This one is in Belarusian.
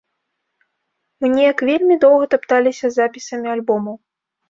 Мы неяк вельмі доўга тапталіся з запісамі альбомаў.